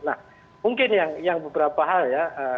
nah mungkin yang beberapa hal ya